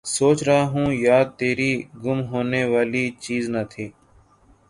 سوچ رہا ہوں یاد تیری، گم ہونے والی چیز نہ تھی